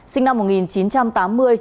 sinh năm một nghìn chín trăm tám mươi